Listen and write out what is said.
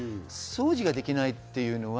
掃除ができないっていうのは